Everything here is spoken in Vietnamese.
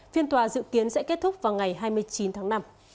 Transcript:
phiên tòa dự kiến sẽ kết thúc vào ngày hai mươi chín tháng năm